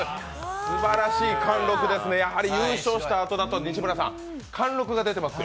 すばらしい貫禄ですね、やはり優勝したあとだと貫禄が出てますよ。